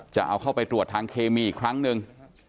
จะเอาเข้าไปตรวจทางเคมีอีกครั้งหนึ่ง